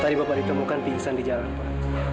tadi bapak ditemukan pingsan di jalan pak